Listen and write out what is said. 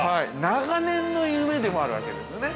長年の夢でもあるわけですよね。